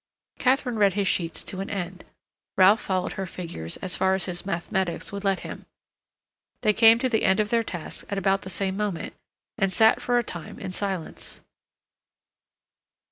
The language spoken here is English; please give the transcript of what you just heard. Katharine read his sheets to an end; Ralph followed her figures as far as his mathematics would let him. They came to the end of their tasks at about the same moment, and sat for a time in silence.